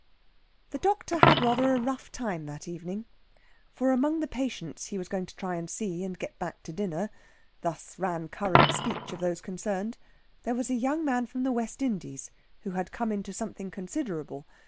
The doctor had rather a rough time that evening. For among the patients he was going to try to see and get back to dinner (thus ran current speech of those concerned) there was a young man from the West Indies, who had come into something considerable.